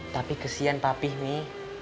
tapi kesian papih nih